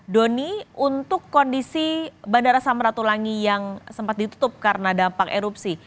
doni untuk kondisi bandara samratulangi yang sempat ditutup karena dampak erupsi